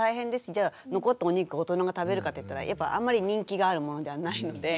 じゃあ残ったお肉を大人が食べるかといったらやっぱあんまり人気があるものではないので。